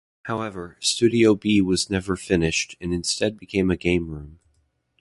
However, studio B was never finished and instead became a game room.